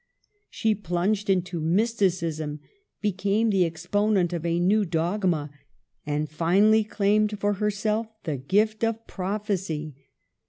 She plunged into mysticism ; became the exponent of a new dog ma, and finally claimed for herself the gift of prophecy.